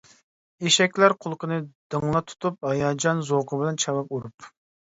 ئېشەكلەر قۇلىقىنى دىڭلا تۇتۇپ، ھاياجان، زوقى بىلەن چاۋاك ئۇرۇپ.